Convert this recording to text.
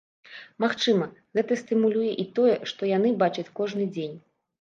Магчыма, гэта стымулюе і тое, што яны бачаць кожны дзень.